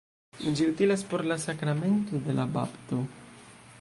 Ĝi utilas por la sakramento de la bapto.